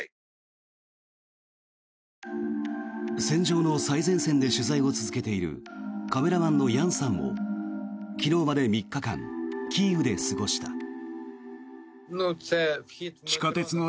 戦場の最前線で取材を続けているカメラマンのヤンさんも昨日まで３日間キーウで過ごした。